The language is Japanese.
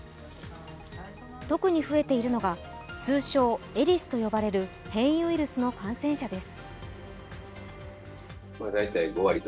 特に増えているのが、通称・エリスと呼ばれる変異ウイルスの感染者です。